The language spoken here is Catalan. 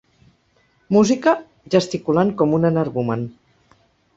Música, gesticulant com un energumen.